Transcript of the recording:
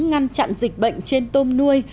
ngăn chặn dịch bệnh trên tôm nuôi